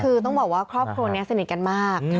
คือต้องบอกว่าครอบครัวนี้สนิทกันมาก